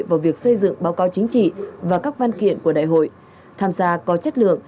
vào việc xây dựng báo cáo chính trị và các văn kiện của đại hội tham gia có chất lượng